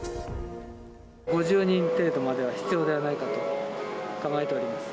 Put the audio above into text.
５０人程度までは必要ではないかと考えております。